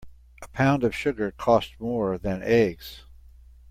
A pound of sugar costs more than eggs.